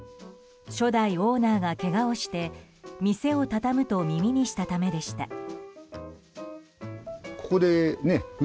初代オーナーがけがをして店をたたむと耳にしたためでした。